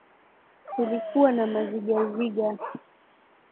Tulikuwa na mazigaziga